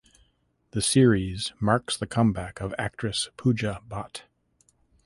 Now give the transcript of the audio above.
The series marks the comeback of actress Pooja Bhatt.